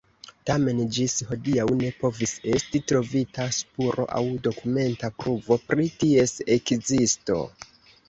Tamen ĝis hodiaŭ ne povis esti trovita spuro aŭ dokumenta pruvo pri ties ekzisto.